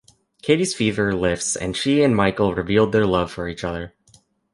Katie's fever lifts and she and Michael reveal their love for each other.